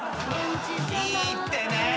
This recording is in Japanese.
いいってねえ